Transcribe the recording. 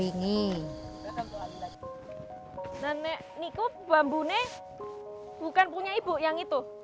ini bukan ibu yang memiliki bambu